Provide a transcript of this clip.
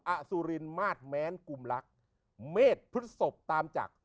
อัสุรินมาร์ดแมนกุมรักเมธพรุษศพตามจักร